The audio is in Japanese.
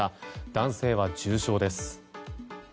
男性は重傷です。